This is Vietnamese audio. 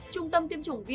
trung tâm tiêm chủng vnbc